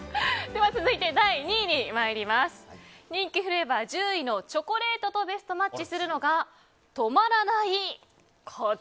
では続いて第２位人気フレーバー１０位のチョコレートとベストマッチするのが止まらない。